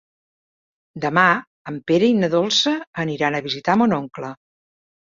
Demà en Pere i na Dolça aniran a visitar mon oncle.